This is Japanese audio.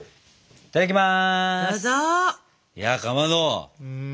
いただきます。